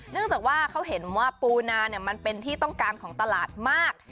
เนื่องจากว่าเขาเห็นว่าปูนามันเป็นที่ต้องการของตลาดมาก